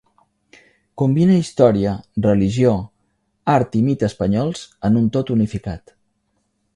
Combina història, religió, art i mite espanyols en un tot unificat.